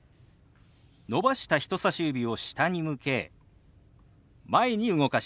伸ばした人さし指を下に向け前に動かします。